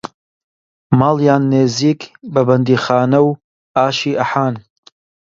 ماڵیان نێزیک بە بەندیخانەوو ئاشی ئەحان